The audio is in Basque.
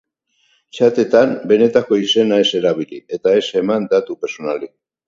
Txatetan, benetako izena ez erabili, eta ez eman datu pertsonalik.